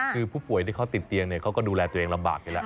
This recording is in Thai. คือผู้ป่วยที่เขาติดเตียงเขาก็ดูแลตัวเองลำบากอยู่แล้ว